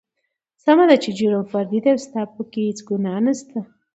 سمه ده چې جرم فردي دى او ستا پکې هېڅ ګنا نشته.